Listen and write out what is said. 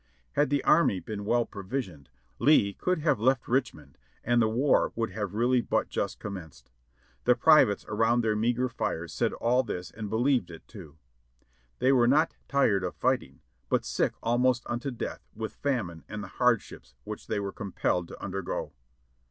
Had the army been well provisioned Lee could have left Richmond and the war would have really but just commenced. The privates around their meagre fires said all this and believed it, too. They were not tired of fighting, but sick almost unto death with famine and the hardships which they were compelled to undergo.